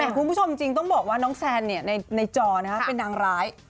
แต่คุณผู้ชมจริงต้องบอกว่าน้องแซนในจอเป็นนางร้าย